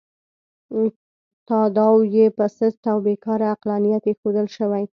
تاداو یې په سست او بې کاره عقلانیت اېښودل شوی.